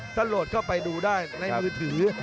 ถ้าโหลดเข้าไปดูได้ในมือถือ